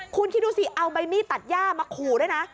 คุณคิดดูสิเอาใบมีดตัดหญ้ามาขู่นะ